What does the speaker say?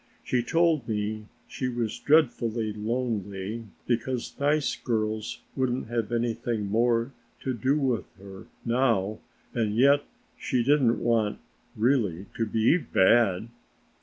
She told me she was dreadfully lonely because nice girls wouldn't have anything more to do with her now and yet she didn't want really to be bad.